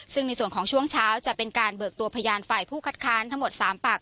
ซึ่งในส่วนของช่วงเช้าจะเป็นการเบิกตัวพยานฝ่ายผู้คัดค้านทั้งหมด๓ปาก